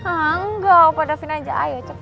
engga opah daffy aja ayo cepet